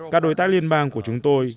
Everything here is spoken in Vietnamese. các đối tác liên bang của chúng tôi